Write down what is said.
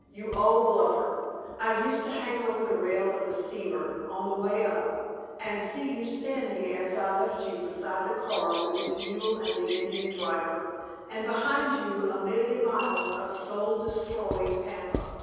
You old bluffer! I used to hang over the rail of the steamer, on the way up, and see you standing as I left you beside the car with its mule and the Indian driver, and behind you a million miles of soul destroying pampa.